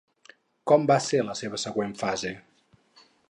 Com va ser la seva següent fase?